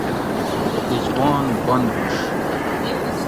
اُجبان بند ہُوش